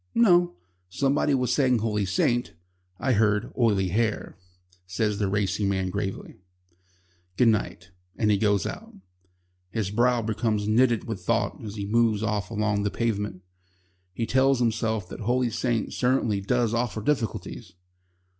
"No. Somebody was saying Holy Saint." "I heard Oily Hair," says the racing man gravely. "Good night." And he goes out. His brow becomes knitted with thought as he moves off along the pavement. He tells himself that Holy Saint certainly does offer difficulties.